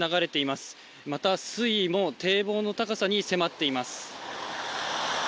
また、水位も堤防の高さに迫っています。